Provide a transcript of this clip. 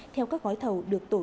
theo các gói thầu được tổ chức